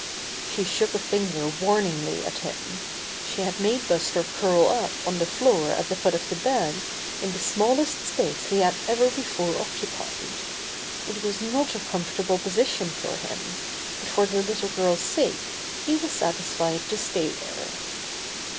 She shook a finger warningly at him. She had made Buster curl up on the floor at the foot of the bed in the smallest space he had ever before occupied. It was not a comfort able position for him, but for the little girl's sake he was satisfied to stay there.